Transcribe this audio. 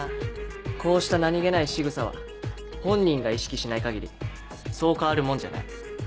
こうした何げないしぐさは本人が意識しない限りそう変わるもんじゃない。